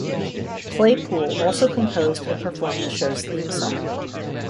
Claypool also composed and performed the show's theme song.